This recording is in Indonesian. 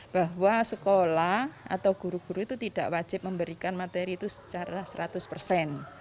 bahwa sekolah atau guru guru itu tidak wajib memberikan materi itu secara seratus persen